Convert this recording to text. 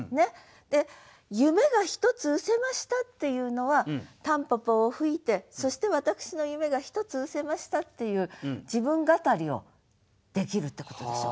で「夢が一つ失せました」っていうのは蒲公英を吹いてそして私の夢が一つ失せましたっていう自分語りをできるってことでしょ。